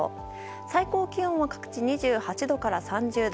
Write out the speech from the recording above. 最高気温は各地２８度から３０度。